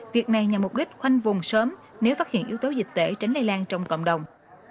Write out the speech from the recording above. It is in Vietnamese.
việc này nhằm mục đích khoanh vùng sớm nếu phát hiện yếu tố dịch tễ tránh lây lan trong cộng đồng